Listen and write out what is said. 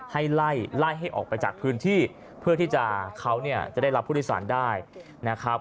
ให้ไล่ให้ออกไปจากพื้นที่เพื่อที่จะเขาเนี่ยจะได้รับผู้โดยสารได้นะครับ